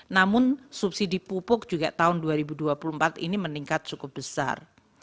namun subsidi pupuk juga tahun dua ribu dua puluh empat ini meningkat cukup besar